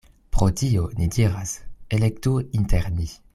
Pro tio, ni diras: elektu inter ni.